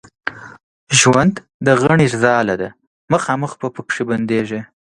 ژوند د غڼي ځاله ده خامخا به پکښې بندېږې